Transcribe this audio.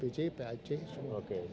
terus kita lebih lengkap